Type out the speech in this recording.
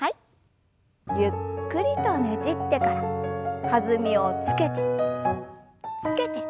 ゆっくりとねじってから弾みをつけてつけて。